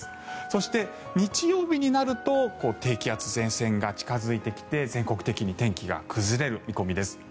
そして日曜日になると低気圧、前線が近付いてきて全国的に天気が崩れる見込みです。